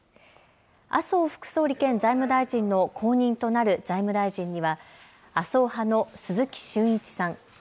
麻生副総理兼財務大臣の後任となる財務大臣には、麻生派の鈴木俊一さん。